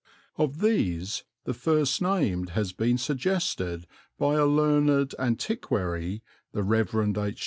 Of these the first named has been suggested by a learned antiquary, the Reverend H.